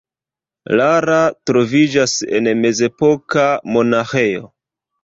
Lara troviĝas en mezepoka monaĥejo.